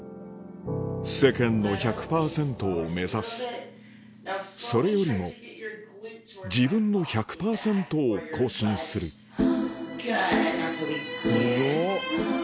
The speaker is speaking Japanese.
世間の１００％を目指すそれよりも自分の１００％を更新する英語